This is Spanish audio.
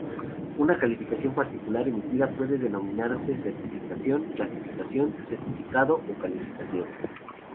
Una calificación particular emitida puede denominarse certificación, clasificación, certificado o calificación.